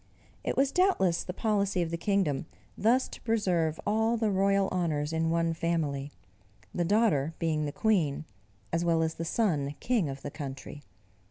It was doubtless the policy of the kingdom thus to preserve all the royal honors in one family the daughter being the queen, as well as the son king of the country.